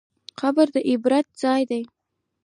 قبر د عبرت ځای دی.